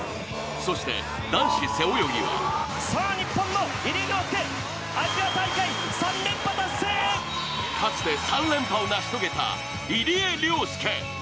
そして男子背泳ぎはかつて３連覇を成し遂げた入江陵介。